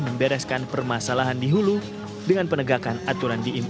membereskan permasalahan di hulu dengan penegakan aturan dmo dan dpo